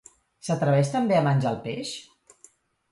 S'atreveix també a menjar el peix?